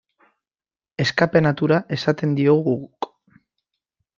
Escape-natura esaten diogu guk.